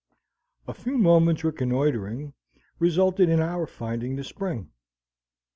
A few moment's reconnoitering resulted in our finding the spring.